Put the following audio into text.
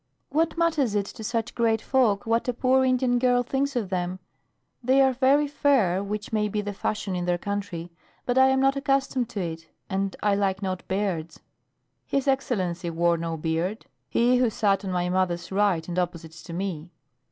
"What matters it to such great folk what a poor Indian girl thinks of them? They are very fair, which may be the fashion in their country; but I am not accustomed to it; and I like not beards." "His excellency wore no beard he who sat on my mother's right and opposite to me."